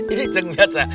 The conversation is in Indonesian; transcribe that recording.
ini jeng biasa